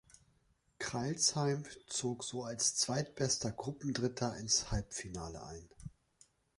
Crailsheim zog so als zweitbester Gruppendritter ins Halbfinale ein.